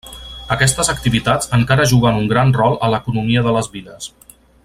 Aquestes activitats encara juguen un gran rol a l'economia de les viles.